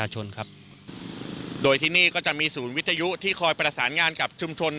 ได้จัดเตรียมความช่วยเหลือประบบพิเศษสี่ชน